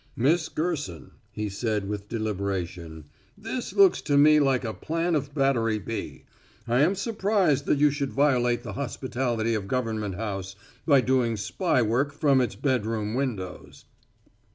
"Miss Gerson," he said with deliberation, "this looks to me like a plan of Battery B. I am surprised that you should violate the hospitality of Government House by doing spy work from its bedroom windows."